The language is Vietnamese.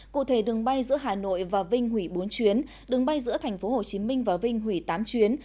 cụ thể đường bay giữa hà nội và vinh hủy bốn chuyến đường bay giữa thành phố hồ chí minh và vinh hủy tám chuyến